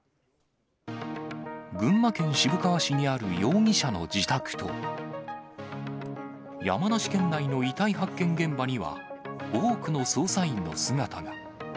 群馬県渋川市にある容疑者の自宅と、山梨県内の遺体発見現場には、多くの捜査員の姿が。